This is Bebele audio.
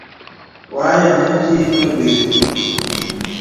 Wɔ̄ a yìaŋə ìkì a mə ve.